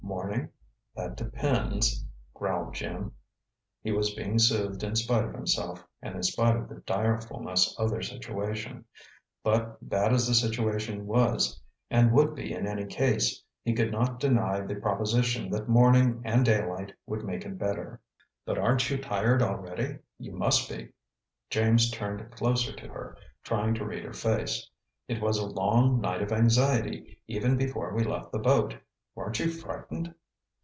"Morning? That depends," growled Jim. He was being soothed in spite of himself, and in spite of the direfulness of their situation. But bad as the situation was, and would be in any case, he could not deny the proposition that morning and daylight would make it better. "But aren't you tired already? You must be." James turned closer to her, trying to read her face. "It was a long night of anxiety, even before we left the boat. Weren't you frightened?"